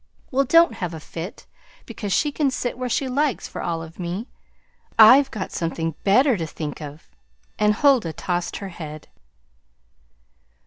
"Well, don't have a fit! because she can sit where she likes for all of me; I've got something better to think of," and Huldah tossed her head.